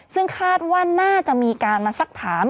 ซึ่งคาดว่าน่าจะมีการมาสักถาม